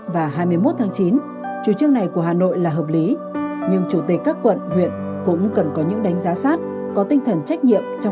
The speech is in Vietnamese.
và nguy cơ của nó thì nguy hiểm rất cao